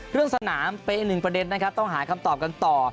เรื่องสนามเป็นอีกหนึ่งประเด็นนะครับต้องหาคำตอบกันต่อ